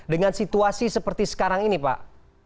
dengan situasi seperti sekarang ini pak